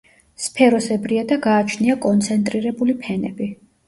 სფეროსებრია და გააჩნია კონცენტრირებული ფენები.